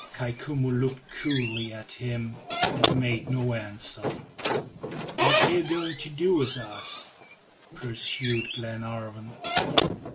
Kai Koumou looked coolly at him and made no answer. "What are you going to do with us?" pursued Glenarvan.